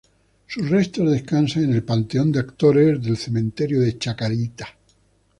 Sus restos descansan en el Panteón de Actores del Cementerio la Chacarita.